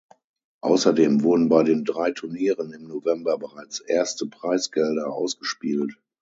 Außerdem wurden bei den drei Turnieren im November bereits erste Preisgelder ausgespielt.